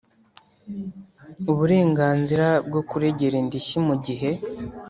uburenganzira bwo kuregera indishyi mu gihe